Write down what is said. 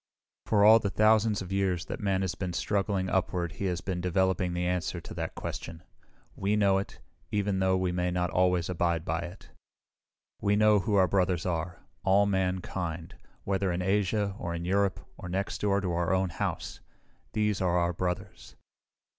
For all the thousands of years that man has been struggling upward he has been developing the answer to that question. We know it, even though we may not always abide by it. "We know who our brothers are all mankind, whether in Asia or in Europe or next door to our own home. These are our brothers."